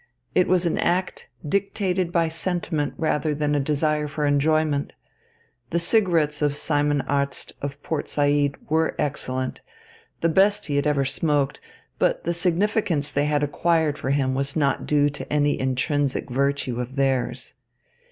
It was an act dictated by sentiment rather than by a desire for enjoyment. The cigarettes of Simon Arzt of Port Said were excellent, the best he had ever smoked; but the significance they had acquired for him was not due to any intrinsic virtue of theirs.